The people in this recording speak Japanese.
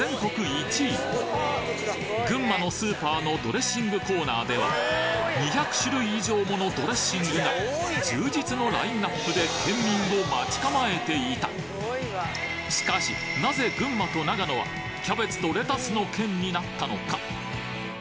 １位群馬のスーパーのドレッシングコーナーでは２００種類以上ものドレッシングが充実のラインナップで県民を待ち構えていたしかしなぜ群馬と長野はキャベツとレタスの県になったのか？